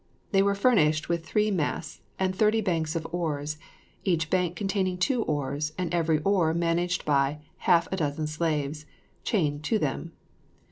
They were furnished with three masts and thirty banks of oars, each bank containing two oars, and every oar managed by half a dozen slaves, chained to them.